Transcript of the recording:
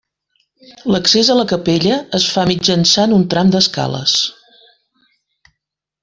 L'accés a la capella es fa mitjançant un tram d'escales.